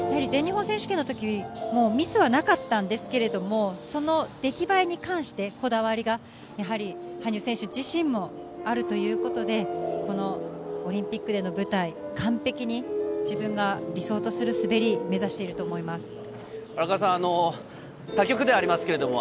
全日本選手権の時もミスはなかったんですけれども、その出来栄えに関してこだわりがやはり羽生選手自身もあるということで、このオリンピックでの舞台、完璧に自分が理想とする滑りを目指していると思います。